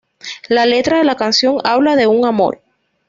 La letra de la canción habla de un amor.